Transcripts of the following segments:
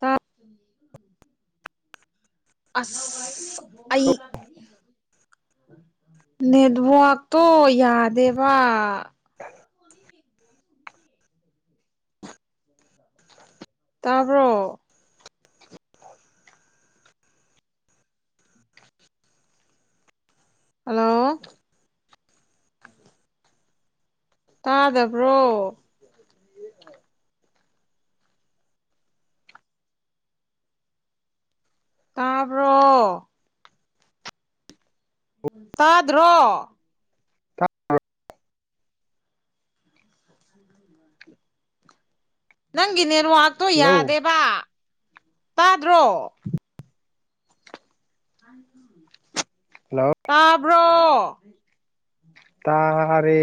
ꯇꯥ ꯑꯁ ꯑꯩ ꯅꯦꯠꯋꯥꯛꯛꯇꯣ ꯌꯥꯗꯦꯕ [unintelligible] [unintelligible] ꯇꯥꯕ꯭ꯔꯣ ꯍꯜꯂꯣ ꯇꯥꯗꯕ꯭ꯔꯣ ꯇꯥꯔꯕ ꯇꯥꯗ꯭ꯔꯣ [unintelligible] ꯅꯪꯒꯤ ꯅꯦꯠꯋꯥꯛꯇꯣ ꯍꯜꯂꯣ ꯌꯥꯗꯦꯕ ꯇꯥꯗ꯭ꯔꯣ ꯍꯜꯂꯣ ꯇꯥꯕ꯭ꯔꯣ ꯇꯥꯔꯦ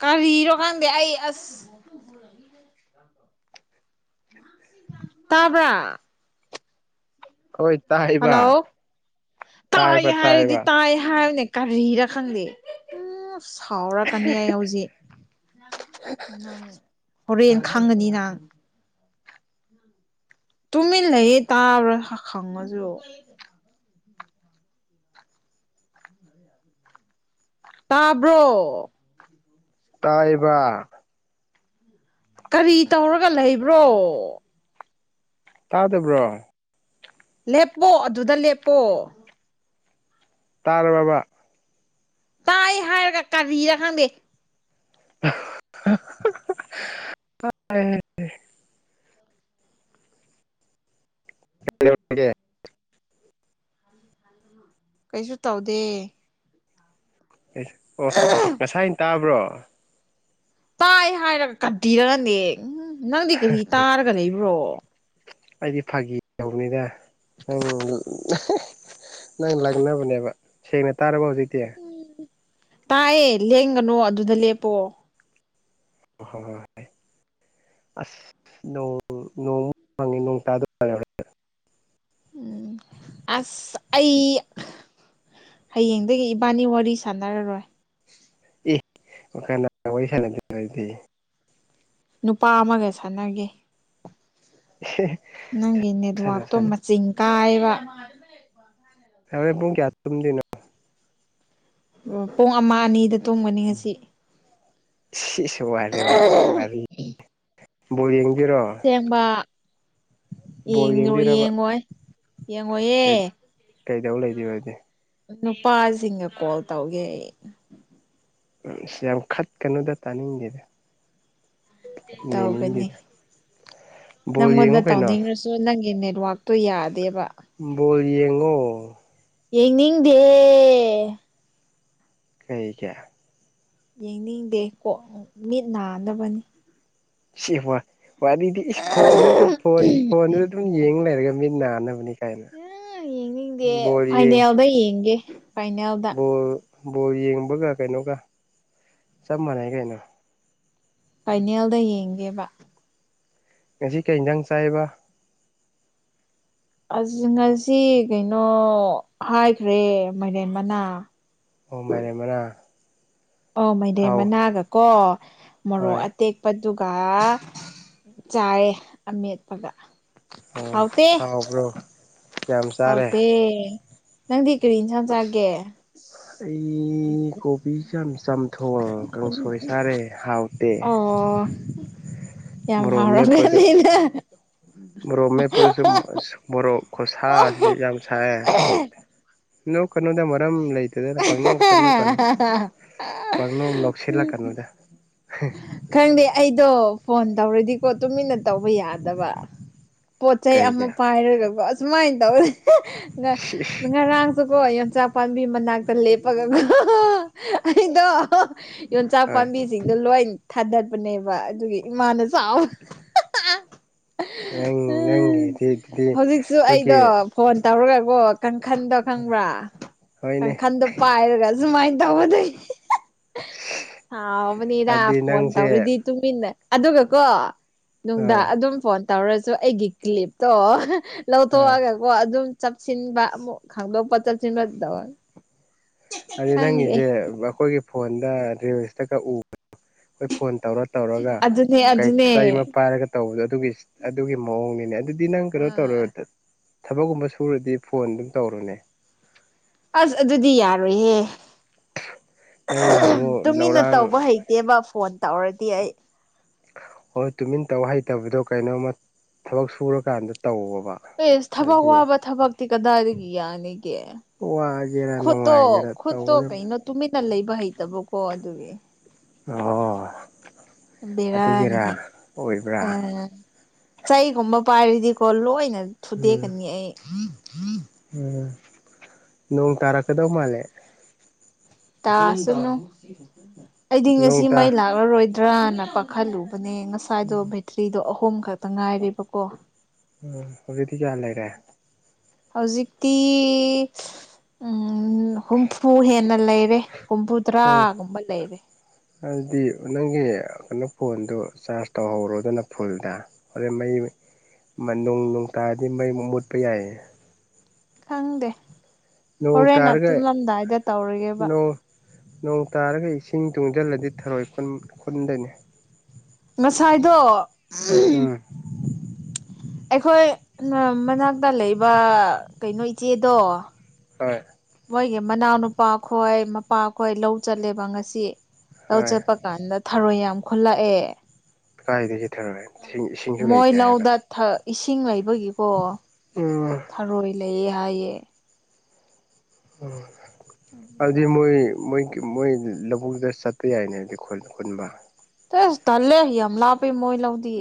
ꯀꯔꯤꯔꯣ ꯈꯪꯗꯦ ꯑꯩ ꯑꯁ ꯇꯥꯕ꯭ꯔꯣ ꯍꯣꯏ ꯍꯜꯂꯣ ꯇꯥꯏꯕ ꯇꯥꯏ ꯇꯥꯏꯕ ꯍꯥꯏꯔꯗꯤ ꯇꯥꯏꯕ ꯇꯥꯏ ꯍꯥꯏꯌꯨꯅꯦ ꯀꯔꯤꯔꯥ ꯈꯪꯗꯦ ꯎꯝ ꯁꯥꯎꯔꯛꯀꯅꯤ ꯑꯩ ꯍꯧꯖꯤꯛ ꯅꯪ ꯍꯣꯔꯦꯟ ꯈꯪꯒꯅꯤ ꯅꯪ ꯇꯨꯃꯤꯟ ꯂꯩꯌꯦ ꯇꯥꯔꯣꯏ ꯍꯪꯉꯁꯨ ꯇꯥꯕ꯭ꯔꯣ ꯎꯝ ꯇꯥꯌꯦꯕꯥ ꯀꯔꯤ ꯇꯧꯔꯒ ꯂꯩꯕ꯭ꯔꯣ ꯇꯥꯗꯕ꯭ꯔꯣ ꯂꯦꯞꯄꯣ ꯑꯗꯨꯗ ꯂꯦꯞꯄꯣ ꯇꯥꯔꯕꯕꯥ ꯇꯥꯏꯌꯦ ꯍꯥꯏꯔꯒ ꯀꯔꯤꯔꯥ ꯈꯪꯗꯦ ꯑ [unintelligible] ꯍꯂꯦ [unintelligible] ꯀꯩꯁꯨ ꯇꯧꯗꯦ ꯑꯦ ꯑꯣ ꯉꯁꯥꯏꯅ ꯇꯥꯕ꯭ꯔꯣ ꯇꯥꯏ ꯍꯥꯏꯔꯒ ꯀꯔꯤꯔꯥꯅꯦ ꯅꯪꯗꯤ ꯀꯔꯤ ꯇꯥꯔꯒ ꯂꯩꯕ꯭ꯔꯣ ꯑꯩꯗꯤ ꯐꯥꯒꯤ ꯇꯧꯕꯅꯤꯗ ꯅꯪ [unintelligible] ꯅꯪꯅ ꯂꯥꯛꯅꯕꯅꯦꯕ ꯁꯦꯡꯅ ꯇꯥꯔꯕꯣ ꯍꯧꯖꯤꯛꯇꯤ ꯇꯥꯏꯌꯦ ꯂꯦꯡꯒꯅꯣ ꯑꯗꯨꯗ ꯂꯦꯞꯄꯣ ꯍ ꯍꯣꯏ ꯍꯣꯏ ꯍꯣꯏ ꯑꯁ ꯅꯣꯡ ꯅꯣꯡꯃꯨꯛ ꯃꯪꯏ ꯅꯣꯡ ꯇꯥꯗꯧ ꯃꯥꯜꯂꯦ ꯎꯝ ꯑꯁ ꯑꯩ ꯍꯌꯦꯡꯗꯒꯤ ꯏꯕꯥꯟꯅꯤ ꯋꯥꯔꯤ ꯁꯥꯟꯅꯔꯔꯣꯏ ꯑꯦ ꯀꯅꯥ ꯋꯥꯔꯤ ꯁꯥꯟꯅꯗꯣꯏꯕ ꯑꯩꯗꯤ ꯅꯨꯄꯥ ꯑꯃꯒ ꯁꯥꯟꯅꯒꯦ ꯍ [unintelligible] ꯅꯪꯒꯤ ꯅꯦꯠꯋꯥꯛꯇꯣ ꯃꯆꯤꯡ ꯀꯥꯏꯌꯦꯕꯥ ꯍꯣꯔꯦꯟ ꯄꯨꯡ ꯀꯌꯥ ꯇꯨꯝꯗꯣꯏꯅꯣ ꯑꯣ ꯄꯨꯡ ꯑꯃ ꯑꯅꯤꯗ ꯇꯨꯝꯒꯅꯤ ꯉꯁꯤ ꯏꯁ [unintelligible] ꯋꯥꯔꯤ ꯕꯣꯜ ꯌꯦꯡꯗꯣꯏꯔꯣ ꯌꯦꯡꯕ ꯕꯣꯜ ꯌꯦꯡꯕꯤꯔꯕ ꯌꯦꯡꯉꯣꯏ ꯌꯦꯡꯉꯣꯏꯌꯦ ꯀꯩꯗꯧ ꯂꯩꯗꯣꯏꯕ ꯑꯗꯨꯗꯤ ꯅꯨꯄꯥꯁꯤꯡꯒ ꯀꯣꯜ ꯇꯧꯒꯦ ꯑꯩ ꯑꯁ ꯌꯥꯝ ꯈꯠꯀꯅꯨꯗ ꯇꯥꯅꯤꯡꯗꯦꯗ ꯇꯧꯒꯅꯤ ꯌꯦꯡꯅꯤꯡꯗꯦꯗ ꯕꯣꯜ ꯅꯪꯉꯣꯟꯗ ꯌꯦꯡꯉꯨ ꯀꯩꯅꯣ ꯇꯧꯅꯤꯡꯔꯁꯨ ꯑꯗꯣ ꯅꯪꯒꯤ ꯅꯦꯠꯋꯥꯛꯇꯣ ꯌꯥꯗꯦꯕ ꯕꯣꯜ ꯌꯦꯡꯉꯣ ꯌꯦꯡꯅꯤꯡꯗꯦ ꯀꯩꯒꯤ ꯌꯦꯡꯅꯤꯡꯗꯦ ꯀꯣ ꯃꯤꯠ ꯅꯥꯅꯕꯅꯤ ꯁꯤ ꯋꯥ ꯋꯥꯔꯤꯗꯤ ꯏꯁ ꯐꯣꯟꯗ ꯐꯣꯟ ꯐꯣꯟꯗꯨꯗ ꯑꯗꯨꯝ ꯌꯦꯡ ꯂꯩꯔꯒ ꯃꯤ ꯅꯥꯟꯅꯕꯅꯦ ꯑ ꯌꯦꯡꯅꯤꯡꯗꯦ ꯌꯦꯡ ꯐꯥꯏꯅꯦꯜꯗ ꯌꯦꯡꯒꯦ ꯐꯥꯏꯅꯦꯜ ꯕꯣꯜ ꯕꯣꯜ ꯌꯦꯡꯕꯒ ꯀꯩꯅꯣꯒ ꯆꯞ ꯃꯥꯟꯅꯩ ꯀꯩꯅꯣ ꯐꯥꯏꯅꯦꯜꯗ ꯌꯦꯡꯒꯦꯕꯥ ꯉꯁꯤ ꯀꯩꯊꯪ ꯆꯥꯏꯕ ꯑ ꯉꯁꯤ ꯀꯩꯅꯣ ꯍꯥꯏꯈ꯭ꯔꯦ ꯃꯥꯏꯔꯦꯝꯃꯅꯥ ꯑꯣ ꯃꯔꯦꯝ ꯃꯅꯥꯥ ꯑꯧ ꯃꯥꯏꯗꯦꯝ ꯃꯅꯥꯒꯀꯣ ꯃꯣꯔꯣꯛ ꯍꯣꯏ ꯑꯇꯦꯛ ꯄ ꯑꯗꯨꯒꯒ ꯆꯥꯏꯔꯦ ꯑꯃꯦꯠꯄꯒ ꯑꯣ ꯍꯥꯎꯇꯦ ꯍꯥꯎꯕ꯭ꯔꯣ ꯌꯥꯝ ꯆꯥꯔꯦ ꯍꯥꯎꯇꯦ ꯅꯪꯗꯤ ꯀꯔꯤ ꯏꯟꯁꯥꯡ ꯆꯥꯒꯦ ꯑꯩ ꯀꯣꯕꯤ ꯆꯝꯊꯣꯡ ꯀꯥꯡꯁꯣꯏ ꯆꯥꯔꯦ ꯍꯥꯎ ꯇꯦ ꯑꯣ ꯃꯣꯔꯣꯛ ꯃꯥꯠꯄꯗꯨ ꯌꯥ ꯃꯣꯔꯣꯛ ꯃꯦꯄꯗꯁꯨ ꯃꯣꯔꯣꯛ ꯈꯨꯁꯥꯁꯤꯗꯤ ꯌꯥꯝ ꯁꯥꯏ ꯅꯣꯛ ꯀꯅꯣꯗ ꯃꯔꯝ ꯂꯩꯇꯗꯅ ꯄꯪꯅ ꯉꯛꯇ ꯅ ꯀꯅꯨ ꯄꯅ ꯅꯛꯁꯂꯥ ꯀꯥꯟꯅꯗ ꯈꯪꯗꯦ ꯑꯩꯗꯣ ꯐꯣꯟ ꯇꯧꯔꯗꯤꯀꯣ ꯇꯨꯃꯤꯟꯅ ꯇꯧꯕ ꯌꯥꯗꯕ ꯄꯣꯠ ꯆꯩ ꯑꯃ ꯀꯩꯒꯤ ꯄꯥꯏꯔꯒꯀꯣ ꯑꯃꯥꯏꯅ ꯇꯧꯔꯦ ꯉꯔꯥꯡ ꯑꯗꯨꯒꯀꯣ ꯌꯟꯆꯥ ꯄꯥꯝꯕꯤ ꯃꯅꯥꯛꯇ ꯂꯦꯞꯄꯒ ꯑꯩꯗꯣ ꯏꯟ ꯍꯣꯏ ꯆꯄꯝꯝꯕ ꯁꯤꯡꯗꯣ ꯂꯣꯏ ꯊꯥꯗꯠꯄꯅꯦꯕ ꯑꯗꯨꯒꯤ ꯏꯃꯥꯅ ꯆꯥꯎ ꯅꯪ ꯅꯪꯒꯤꯗꯤ ꯑꯗꯨꯗꯤ ꯍꯧꯖꯤꯛꯁꯨ ꯑꯩꯈꯣꯏꯒꯤ ꯑꯩꯗꯣ ꯐꯣꯟ ꯇꯧꯔꯒꯕꯣ ꯀꯥꯡꯪꯈꯟꯗꯣ ꯈꯪꯕ꯭ꯔꯥ ꯍꯣꯏꯅꯦ ꯀꯥꯡꯈꯟꯗꯣ ꯄꯥꯏꯔꯒ ꯁꯨꯃꯥꯏꯅ ꯇꯧꯒꯗꯣꯏ ꯍꯥꯎꯕꯅꯤꯔ ꯑꯗꯨꯗꯤ ꯐꯣꯟ ꯅꯪꯁꯦ ꯇꯧꯔꯗꯤ ꯇꯨꯃꯤꯟꯅ ꯑꯗꯨꯒ ꯀꯣ ꯅꯨꯡꯗꯥ ꯍꯣꯏ ꯑꯗꯨꯝ ꯐꯣꯟ ꯇꯧꯔꯁꯨ ꯑꯩꯒꯤ ꯀ꯭ꯂꯤꯞꯇꯣ ꯍꯣꯏ ꯂꯧꯊꯣꯛꯑꯒ ꯑꯣ ꯑꯗꯨꯝ ꯆꯞꯁꯤꯟꯕ ꯑꯃꯨꯛ ꯈꯪꯗꯣꯛꯄ ꯆꯠꯁꯤꯟꯕꯗ ꯍꯥꯏꯗꯤ ꯅꯪꯒꯤꯁꯦ ꯑꯩꯈꯣꯏꯒꯤ ꯐꯣꯟꯗ ꯔꯤꯜꯁꯇꯒꯛ ꯎ ꯑꯩꯈꯣꯏ ꯐꯣꯟ ꯇꯧꯔ ꯇꯧꯔꯒ ꯑꯗꯨꯅꯦ ꯀ ꯑꯗꯨꯅꯦ ꯆꯩ ꯑꯃ ꯄꯥꯏꯔꯒ ꯇꯧꯕꯗꯣ ꯑꯗꯨꯒꯤ ꯑꯗꯨꯒꯤ ꯃꯑꯣꯡꯅꯤꯅꯦ ꯑꯗꯨꯗꯤ ꯅꯪ ꯀꯩꯅꯣ ꯑꯥ ꯇꯧꯔꯣꯏ ꯊꯕꯛꯀꯨꯝꯕ ꯁꯨꯔꯗꯤ ꯐꯣꯟ ꯑꯗꯨꯝ ꯇꯧꯔꯨꯅꯦ ꯑꯁ ꯑꯗꯨꯗꯤ ꯌꯥꯔꯣꯏꯍꯦ ꯅꯪꯅ ꯑꯃꯨꯛ ꯇꯨꯃꯤꯟꯅ ꯂꯧꯔꯥꯡ ꯇꯧꯕ ꯍꯩ ꯏ ꯇꯦꯕ ꯐꯣꯟ ꯇꯧꯔꯗꯤ ꯑꯩ ꯍꯣꯏ ꯇꯨꯃꯤꯟ ꯇꯕ ꯍꯩꯇꯕꯗꯣ ꯀꯩꯅꯣꯝꯃ ꯊꯕꯛ ꯁꯨꯔꯀꯥꯟꯗ ꯇꯧꯕ ꯑꯦꯁ ꯊꯕꯛ ꯋꯥꯕ ꯊꯕꯛꯇꯤ ꯀꯗꯥꯏꯗꯒꯤ ꯌꯥꯅꯤꯒꯦ ꯋꯥꯒꯦꯔꯥ ꯈꯨꯣꯠꯇꯣ ꯅꯨꯡꯉꯥꯏꯒꯦꯔꯥ ꯈꯨꯣꯠꯇꯣ ꯇꯧꯒꯗꯕꯅꯤ ꯀꯩꯅꯣ ꯇꯨꯃꯤꯠꯟꯅ ꯂꯩꯕ ꯍꯩꯇꯕꯀꯣ ꯑꯗꯨꯒꯤ ꯑ ꯕꯤꯔꯅꯤꯍꯦ ꯑꯣꯏꯕ꯭ꯔꯥ ꯆꯩꯒꯨꯝꯕ ꯄꯥꯏꯔꯤꯗꯤꯀꯣ ꯂꯣꯏꯅ ꯎꯝ ꯊꯨꯗꯦꯛꯀꯅꯤ ꯑꯩ ꯎꯝ ꯅꯣꯡ ꯇꯔꯀꯗꯣ ꯃꯥꯂꯦ ꯇꯥ ꯆꯨꯝꯅꯨ ꯑꯩꯗꯤ ꯅꯣꯡ ꯉꯁꯤ ꯇꯥ ꯃꯩ ꯂꯥꯛ ꯀꯛꯔꯔꯣꯏꯗ꯭ꯔꯅ ꯀꯥꯈꯠꯂꯨꯕꯅꯦ ꯉꯁꯥꯏꯗꯣ ꯕꯦꯇ꯭ꯔꯤꯗꯣ ꯑꯍꯨꯝ ꯈꯛꯇ ꯉꯥꯏꯔꯦꯕꯀꯣ ꯎꯝ ꯍꯧꯖꯤꯗꯤ ꯀ꯭ꯌꯥ ꯂꯩꯔꯦ ꯍꯧꯖꯤꯛꯇꯤ ꯎꯝ ꯍꯨꯝꯐꯨ ꯍꯦꯟꯅ ꯂꯩꯔꯦ ꯐꯣꯔ ꯍꯨꯝꯐꯨꯇꯔꯥꯒꯨꯝꯕ ꯂꯩꯔꯦ ꯑꯗꯨꯗꯤ ꯅꯪꯒꯤ ꯀꯩꯅꯣ ꯐꯣꯟꯗꯨ ꯆꯥꯔꯖ ꯇꯧꯍꯧꯔꯣꯗꯅ ꯐꯨꯜꯗ ꯍꯣꯔꯩ ꯃꯩ ꯅꯣꯡ ꯅꯣꯡ ꯇꯥꯔꯗꯤ ꯃꯩꯃꯨꯛ ꯃꯨꯠꯄ ꯌꯥꯏꯌꯦ ꯈꯪꯗꯦ ꯅꯣꯡ ꯍꯣꯔꯦꯟꯅ ꯇꯥꯔꯒ ꯇꯨꯝꯂꯝꯗꯥꯏꯗ ꯇꯧꯔꯤꯒꯦꯕ ꯅꯣꯡ ꯅꯣꯡ ꯇꯥꯔꯒ ꯏꯁꯤꯡ ꯇꯨꯡꯁꯤꯜꯂꯗꯤ ꯊꯔꯣꯏ ꯈꯨꯟꯗꯅꯤ ꯉꯁꯥꯏꯗꯣ ꯎꯝ ꯑꯩꯈꯣꯏ ꯃꯅꯥꯛꯇ ꯂꯩꯕ ꯀꯩꯅꯣ ꯏꯆꯦꯗꯣ ꯍꯣꯏ ꯃꯣꯏꯒꯤ ꯃꯅꯥꯎꯅꯨꯄꯥꯈꯣꯏ ꯃꯄꯥ ꯈꯣꯏ ꯂꯧ ꯆꯠꯂꯦꯕ ꯉꯁꯤ ꯂꯧ ꯍꯣꯏ ꯆꯠꯄ ꯀꯥꯟꯗ ꯊꯔꯣꯏ ꯌꯥꯝ ꯈꯨꯨꯂꯛꯑꯦ ꯀꯥꯏꯗꯒꯤ ꯊꯔꯣꯏ ꯏꯁꯤꯡ ꯏꯁꯤꯡꯁꯨ ꯃꯣꯏ ꯂꯩꯇꯦ ꯍꯥꯏꯔꯒ ꯂꯧꯗ ꯊ ꯏꯁꯤꯡ ꯂꯩꯕꯒꯤꯀꯣ ꯎꯝ ꯊꯔꯣꯏ ꯂꯩꯌꯦ ꯍꯥꯏꯌꯦ ꯑꯗꯤ ꯃꯣꯏ ꯃꯣꯏ ꯃꯣꯏ ꯂꯧꯕꯨꯛꯗ ꯆꯠꯄ ꯌꯥꯏꯅꯦ ꯑꯈꯣꯏ ꯈꯨꯟꯕ [unintelligible] ꯇꯂꯦ ꯌꯥꯝ ꯂꯥꯞꯄꯦ ꯃꯣꯏ ꯂꯧꯗꯤ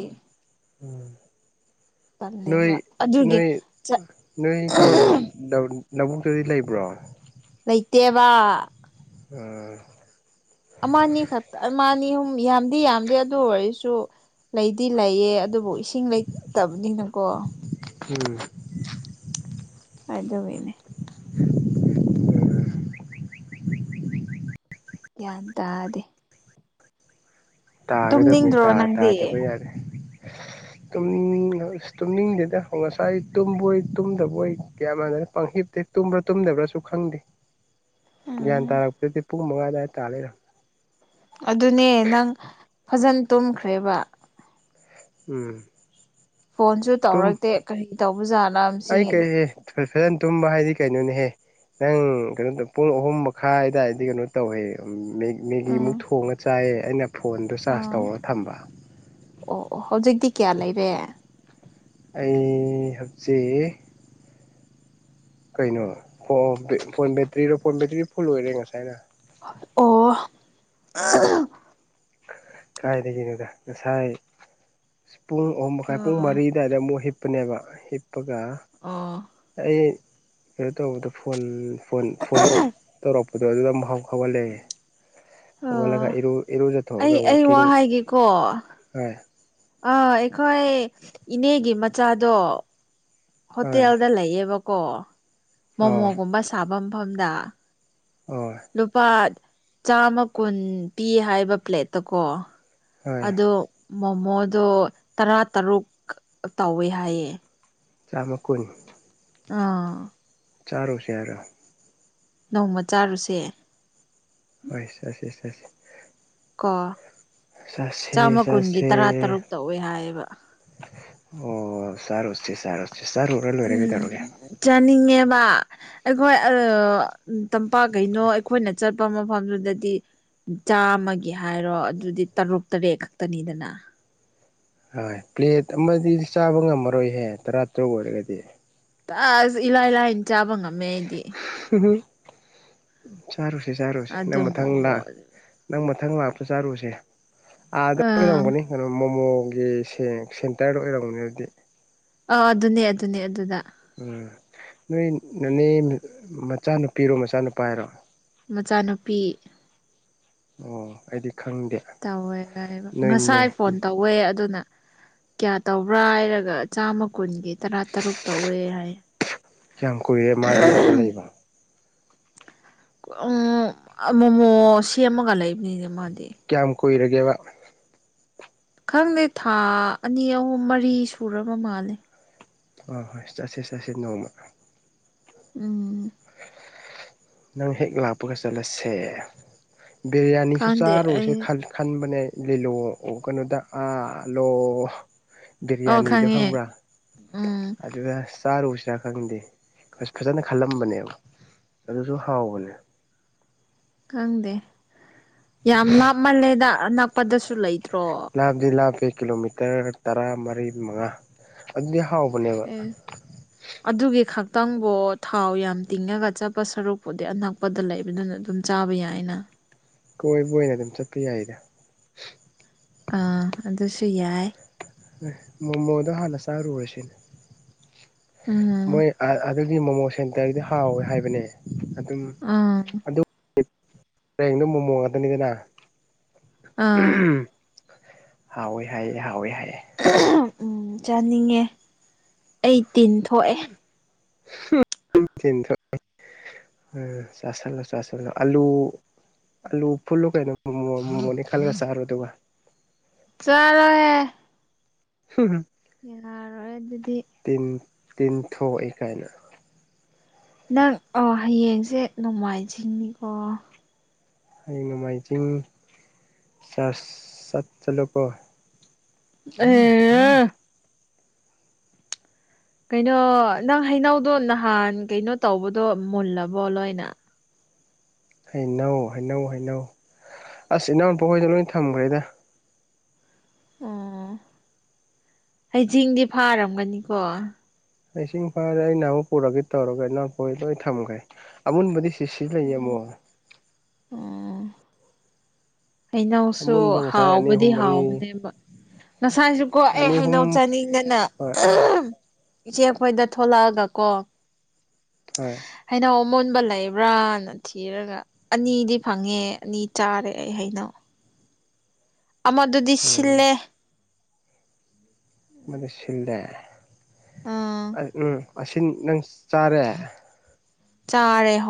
ꯅꯣꯏ ꯇꯜꯂꯦꯕ ꯑꯗꯨꯒꯤ ꯅꯣꯏ ꯅꯣꯏꯒꯤ [unintelligible] ꯂꯧꯕꯨꯛꯇꯗꯤ ꯂꯩꯕ꯭ꯔꯣ ꯂꯩꯇꯦꯕ [unintelligible] ꯑꯃ ꯑꯅꯤ ꯈꯛꯇ ꯑꯃ ꯑꯅꯤ ꯑꯍꯨꯝ ꯌꯥꯝꯗꯤ ꯌꯥꯝꯗꯦ ꯑꯗꯨ ꯑꯣꯏꯔꯁꯨ ꯂꯩꯗꯤ ꯂꯩꯌꯦ ꯑꯗꯨꯕꯨ ꯏꯁꯤꯡ ꯂꯩꯇꯕꯅꯤꯅꯀꯣ [unintelligible] ꯑꯗꯨꯒꯤꯅꯦ ꯒ꯭ꯌꯥꯟ ꯇꯥꯗꯦ ꯇꯥꯒꯗꯕꯅꯤ ꯇꯨꯝꯅꯤꯡꯗ꯭ꯔꯣ ꯇꯥ ꯅꯪꯗꯤ ꯇꯥꯗꯕ ꯌꯥꯗꯦ ꯇꯨꯝꯅꯤꯡ ꯑꯁ ꯇꯨꯝꯅꯤꯡꯗꯦꯗ ꯉꯁꯥꯏ ꯇꯨꯝꯕꯣꯏ ꯇꯨꯝꯗꯕꯣꯏ ꯒ꯭ꯌꯥ ꯃꯥꯟ ꯄꯪꯍꯤꯞꯇ ꯍꯤꯞ ꯇꯨꯝꯕ꯭ꯔꯥ ꯇꯨꯝꯗꯕ꯭ꯔꯥꯁꯨ ꯈꯪꯗꯦ ꯒ꯭ꯌꯥꯟ ꯎꯝ ꯇꯥꯔꯛꯄꯗꯗꯤ ꯄꯨꯡ ꯃꯉꯥ ꯑꯗꯥꯏ ꯇꯥ ꯂꯩꯔꯝ ꯑꯗꯨꯅꯦ ꯅꯪ ꯐꯖꯟ ꯇꯨꯝꯈ꯭ꯔꯦꯕ ꯎꯝ ꯐꯣꯟꯁꯨ ꯇꯨꯝ ꯇꯧꯔꯛꯇꯦ ꯀꯔꯤ ꯇꯧꯕ ꯖꯥꯠꯂ ꯃꯁꯤ ꯐꯖꯟ ꯇꯨꯝꯕ ꯍꯥꯏꯗꯤ ꯀꯩꯅꯣꯅꯦꯍꯦ ꯅꯪ ꯀꯩꯅꯣ ꯄꯨꯡ ꯑꯍꯨꯝ ꯃꯈꯥꯏ ꯗꯥꯏꯗ ꯀꯩꯅꯣ ꯇꯧꯋꯦ ꯃꯦ ꯃꯦꯒꯤꯃꯨꯛ ꯎꯝ ꯊꯣꯡꯉ ꯆꯥꯏꯑꯦ ꯑꯩꯅ ꯐꯣꯟꯗꯣ ꯆꯥꯔꯖ ꯎꯝ ꯇꯧꯔꯒ ꯊꯝꯕ ꯑꯣ ꯑꯣ ꯍꯧꯖꯤꯛꯇꯤ ꯀꯌꯥ ꯂꯩꯔꯦ ꯑꯩ ꯍꯧꯖꯤꯛ ꯀꯩꯅꯣ ꯑꯣ ꯑꯣ ꯐꯣꯟ ꯕꯦꯇ꯭ꯔꯤꯔꯣ ꯐꯣꯟ ꯕꯦꯇ꯭ꯔꯤꯗꯤ ꯐꯨꯜ ꯑꯣꯏꯔꯦ ꯉꯁꯥꯏꯅ ꯑꯣ [unintelligible] ꯀꯥꯏꯗꯒꯤꯅꯣꯗ ꯉꯁꯥꯏ ꯄꯨꯡ ꯑꯍꯨꯝ ꯃꯈꯥꯏ ꯄꯨꯡ ꯑꯣ ꯃꯔꯤ [unintelligible] ꯑꯃꯨꯛ ꯍꯤꯞꯄꯅꯦꯕ ꯍꯤꯞꯄꯒ ꯑꯣ ꯑꯩ ꯀꯩꯅꯣ ꯇꯧꯕꯗ ꯐꯣꯟ ꯐꯣꯟ ꯐꯣꯟꯃꯨꯛ ꯇꯧꯔꯛꯄꯗꯣ ꯑꯗꯨꯗ ꯑꯃꯨꯛ ꯍꯧ ꯍꯧꯒꯠꯂꯦ ꯑꯣ ꯍꯧꯒꯠꯂꯒ ꯏꯔꯨ ꯑꯩ ꯏꯔꯨꯖꯊꯣꯛꯑꯒ ꯑꯩ ꯋꯥ ꯋꯥꯛꯀꯤꯡ ꯍꯥꯏꯒꯦꯀꯣ ꯍꯣꯏ ꯑꯥ ꯑꯩꯈꯣꯏ ꯏꯅꯦꯒꯤ ꯃꯆꯥꯗꯣ ꯍꯣꯏ ꯍꯣꯇꯦꯜꯗ ꯂꯩꯌꯦꯕ ꯀꯣ ꯑꯧ ꯃꯣꯃꯣꯒꯨꯝꯕ ꯁꯥꯕ ꯃꯐꯝꯗ꯫ ꯑꯣꯢ꯫ ꯂꯨꯄꯥ ꯆꯥꯝꯃ ꯀꯨꯟ ꯄꯤꯌꯦ ꯍꯥꯏꯕ ꯄ꯭ꯂꯦꯠꯇ ꯀꯣ꯫ ꯍꯣꯏ ꯑꯗꯣ ꯃꯣꯃꯣꯗꯣ ꯇꯔꯥ ꯇꯔꯨꯛ ꯇꯧꯋꯦ ꯍꯥꯏꯌꯦ꯫ ꯆꯥꯝꯃ ꯀꯨꯟ꯫ ꯑꯥ꯫ ꯆꯥꯔꯨꯁꯦ ꯍꯥꯏꯔꯣ꯫ ꯅꯣꯡꯃ ꯆꯥꯔꯨꯁꯦ꯫ ꯍꯣꯢ ꯆꯠꯁꯦ ꯆꯠꯁꯦ꯫ ꯀꯣ ꯆꯥꯁꯦ ꯆꯥꯝꯃ ꯀꯨꯟꯒꯤ ꯆꯥꯁꯦ ꯇꯔꯥ ꯇꯔꯨꯛ ꯇꯩꯋꯦ ꯍꯥꯏꯌꯦꯕ꯫ ꯑꯣ ꯆꯔꯣꯁꯦ ꯆꯔꯣ ꯎꯝ ꯆꯥꯅꯤꯡꯉꯦꯕ꯫ ꯑꯩꯈꯣꯏ ꯑꯥ ꯇꯝꯄꯥꯛ ꯀꯩꯅꯣ ꯑꯩꯈꯣꯏꯅ ꯆꯠꯄ ꯃꯐꯝꯗꯨꯗꯗꯤ ꯆꯥꯃꯒꯤ ꯍꯥꯏꯔꯣ ꯑꯗꯨꯗꯤ ꯇꯔꯨꯛ ꯇꯔꯦꯠ ꯈꯛꯇꯅꯤꯗꯅ꯫ ꯍꯣꯏ ꯄ꯭ꯂꯦꯠ ꯑꯃꯗꯤ ꯆꯥꯕ ꯉꯝꯃꯔꯣꯏꯍꯦ ꯇꯔꯥ ꯇꯔꯨꯛ ꯑꯣꯏꯔꯒꯗꯤ꯫ ꯇꯁ ꯏꯂꯥꯏ ꯂꯥꯏꯅ ꯆꯥꯕ ꯉꯝꯃꯦ ꯑꯩꯗꯤ꯫ [unintelligible] ꯆꯔꯨꯁꯦ ꯆꯔꯨꯁꯦ ꯅꯪ ꯑꯗꯨ ꯃꯊꯪ ꯃꯣꯃꯣ ꯂꯥꯛ ꯅꯪ ꯃꯊꯪ ꯂꯥꯛꯄ ꯆꯥꯔꯨꯔꯁꯦ ꯑꯥꯗ [unintelligible] ꯑꯥ ꯔꯝꯕꯅꯤ꯫ ꯀꯩꯅꯣ ꯃꯣꯃꯣꯒꯤ ꯁꯦꯡ ꯁꯦꯟꯇꯔꯗ ꯑꯣꯏꯔꯝꯒꯅ ꯑꯗꯨꯗꯤ꯫ ꯑ ꯑꯗꯨꯅꯦ ꯑꯗꯨꯅꯦ ꯑꯗꯨꯗ꯫ ꯎꯝ ꯅꯣꯏ ꯅꯅꯦ ꯃꯆꯥꯅꯨꯄꯤꯔꯣ ꯃꯆꯥꯅꯨꯄꯥ ꯔꯣ꯫ ꯃꯆꯥꯅꯨꯄꯤ꯫ ꯑꯣ ꯑꯩꯗꯤ ꯈꯪꯗꯦ꯫ ꯇꯧꯋꯦ [unintelligible] ꯅꯣꯏꯅꯦ ꯉꯁꯥꯏ ꯐꯣꯟ ꯇꯧꯋꯦ ꯑꯗꯨꯅ ꯀꯌꯥ ꯇꯧꯕ꯭ꯔꯥ ꯍꯥꯏꯔꯒ ꯆꯥꯝꯃ ꯀꯨꯟꯒꯤ ꯇꯔꯥ ꯇꯔꯨꯛ ꯇꯧꯋꯦ ꯍꯥꯏ꯫ ꯀꯌꯥꯝ ꯀꯨꯏꯔꯦ ꯃꯥꯗꯤ ꯑꯥꯗ ꯂꯩꯕ꯫ ꯑꯪ ꯃꯣꯃꯣ ꯁꯦꯝꯃꯒ ꯂꯩꯕꯅꯤꯅꯦ ꯃꯥꯗꯤ꯫ ꯀꯌꯥꯝ ꯀꯨꯏꯔꯒꯦꯕ꯫ ꯈꯪꯗꯦ ꯊꯥ ꯑꯅꯤ ꯑꯍꯨꯝ ꯃꯔꯤ ꯁꯨꯔꯕ ꯃꯥꯜꯂꯦ꯫ ꯍꯣꯏ ꯍꯣꯏ ꯆꯠꯁꯦ ꯆꯠꯁꯦ ꯅꯣꯡꯃ꯫ ꯎꯝ꯫ ꯅꯪ ꯍꯦꯛ ꯂꯥꯛꯄꯒ ꯆꯠꯂꯁꯦ ꯕꯤꯔꯌꯥꯅꯤꯁꯨ ꯈꯪꯗꯦ ꯆꯥꯔꯨꯁꯦ ꯑꯩ ꯈꯜ ꯈꯟꯕꯅꯦ ꯂꯤꯂꯣ ꯀꯩꯅꯣꯗ ꯑꯥ ꯂꯣ ꯑꯣ ꯕꯤꯔꯌꯥꯅꯤꯗꯣ ꯈꯪꯉꯦ ꯈꯪꯕ꯭ꯔꯥ ꯎꯝ ꯑꯗꯨꯋ ꯆꯥꯔꯨꯁꯤꯔꯥ ꯈꯪꯗꯦ ꯐꯖꯅ ꯈꯜꯂꯝꯕꯅꯦꯕ꯫ ꯑꯗꯨꯁꯨ ꯍꯥꯎꯕꯅꯦ꯫ ꯈꯪꯗꯦ ꯌꯥꯝ ꯂꯥꯞꯃꯜꯂꯦꯗ ꯑꯅꯛꯄꯗꯁꯨ ꯂꯩꯇ꯭ꯔꯣ꯫ ꯂꯥꯕꯗꯤ ꯂꯥꯞꯄꯦ ꯀꯤꯂꯣꯃꯤꯇꯔ ꯇꯔꯥ ꯃꯔꯤ ꯃꯉꯥ ꯑꯗꯨꯗꯤ ꯍꯥꯎꯕꯅꯦꯕ꯫ ꯑꯦ [unintelligible] ꯑꯗꯨꯒꯤ ꯈꯛꯇꯪꯕꯨ ꯊꯥꯎ ꯌꯥꯝ ꯇꯤꯡꯉꯒ ꯆꯠꯄ ꯁꯔꯨꯛꯄꯨꯗꯤ ꯑꯅꯛꯄꯗ ꯂꯩꯕꯗꯨꯅ ꯗꯨꯝ ꯆꯥꯕ ꯌꯥꯏꯅ꯫ ꯀꯣꯏꯕ ꯑꯣꯏꯅ ꯗꯨꯝ ꯆꯠꯄ ꯌꯥꯏꯗ꯫ ꯑꯥ ꯑꯗꯨꯁꯨ ꯌꯥꯏ꯫ ꯃꯃꯣꯗꯣ ꯍꯥꯅ ꯆꯥꯔꯨꯔꯁꯦꯅꯦ ꯎꯝ ꯃꯣꯏ ꯑꯥ ꯑꯣꯜꯥꯗ ꯑꯗꯨꯗꯤ ꯃꯣꯃꯣ ꯁꯦꯟꯇꯔꯗꯤ ꯍꯥꯎꯋꯦ ꯍꯥꯏꯕꯅꯦ ꯑꯗꯨꯝ ꯑꯥ꯫ ꯍꯔꯦꯡꯗꯣ ꯃꯣꯃꯣ ꯉꯇꯅꯦꯗꯅ ꯑꯥ [unintelligible] ꯍꯥꯎꯋꯦ ꯍꯥꯏꯌꯦ ꯍꯥꯎꯋꯦ ꯍꯥꯏꯑꯦ꯫ ꯑꯍꯝ ꯆꯥꯅꯤꯡꯉꯦ ꯑꯩ ꯇꯤꯟ ꯊꯣꯛꯑꯦ꯫ [unintelligible] ꯎꯝ [unintelligible] ꯑꯂꯨ ꯑꯜꯂꯨ ꯐꯨꯜꯂꯨ ꯀꯩꯅꯣ ꯃꯣꯣꯅꯤ ꯈꯜꯂꯒ ꯁꯥꯔ ꯑꯗꯨꯒ [unintelligible] ꯍꯝ ꯍꯝ ꯌꯥꯔꯣꯏ ꯑꯗꯨꯗꯤ ꯇꯤꯟꯊꯣꯛꯑꯦ ꯀꯥꯏꯅ ꯅꯪ ꯑꯣ ꯍꯌꯦꯡꯁꯦ ꯅꯣꯡꯃꯥꯏꯖꯤꯡꯅꯤꯀꯣ ꯍꯌꯦ ꯅꯣꯡꯃꯥꯏꯖꯤꯡ ꯆꯔ ꯆꯠ ꯆꯠꯂꯣꯀꯣ ꯎꯝ ꯍꯥꯥ ꯀꯩꯅꯣ ꯅꯪ ꯍꯩꯅꯧꯗꯣ ꯅꯍꯥꯟ ꯀꯩꯅꯣ ꯇꯧꯕꯗꯣ ꯃꯨꯜꯂꯕꯣ ꯂꯣꯏꯅ ꯍꯩꯅꯧ ꯍꯩꯅꯧ ꯍꯩꯅꯧ ꯑꯁ ꯏꯅꯥꯎꯄꯣꯛꯣꯏꯗ ꯂꯣꯏ ꯊꯝꯈ꯭ꯔꯦꯗ ꯑꯣ ꯍꯩꯖꯤꯡꯗꯤ ꯐꯥꯔꯝꯒꯅꯤꯀꯣ ꯑꯩ ꯏꯁꯤꯡ ꯐꯥꯔꯦ ꯑꯩ ꯅ ꯑꯃꯨꯛ ꯄꯨꯔꯒꯦ ꯇꯧꯔꯒ ꯅꯪꯎꯄ ꯂꯣꯏ ꯊꯝꯒꯦ ꯑꯨꯟꯕꯗꯤ ꯁꯤ ꯁꯤ ꯂꯩꯌꯦ ꯑꯃꯣ ꯎꯝ ꯎꯝ ꯍꯩꯅꯧꯁꯨ ꯑꯃꯨꯟꯕ ꯉꯁꯥꯏ ꯑꯅꯤ ꯍꯥꯎꯕꯗꯤ ꯑꯍꯨꯝ ꯃꯔꯤ ꯍꯥꯎꯕꯅꯦꯕ ꯉꯁꯥꯏꯁꯨꯀꯣ ꯑꯩ ꯑꯅꯤ ꯑꯍꯨꯝ ꯍꯩꯅꯧ ꯆꯥꯅꯤꯡꯗꯅ ꯍꯣꯏ ꯏꯆꯦ ꯑꯈꯣꯏꯗ ꯊꯣꯛꯂꯛꯑꯒ ꯀꯣ ꯍꯣꯏ ꯍꯩꯅꯧ ꯑꯃꯨꯟꯕ ꯂꯩꯕ꯭ꯔꯥꯅ ꯊꯤꯔꯒ ꯑꯅꯤꯗꯤ ꯐꯪꯉꯦ ꯑꯅꯤ ꯆꯥꯔꯦ ꯑꯩ ꯍꯩꯅꯧ ꯑꯃꯗꯨꯗꯤ ꯎꯝ ꯁꯤꯜꯂꯦ ꯃꯗꯨ ꯁꯤꯜꯂꯦ ꯑꯥ ꯎꯝ ꯑꯁꯤꯟ ꯅꯪ ꯆꯥꯔꯦ ꯆꯥꯔꯦ ꯍꯣꯏ